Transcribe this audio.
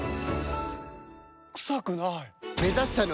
臭くない！